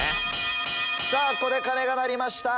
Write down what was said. ここで鐘が鳴りました。